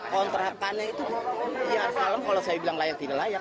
kontrakannya itu ya malam kalau saya bilang layak tidak layak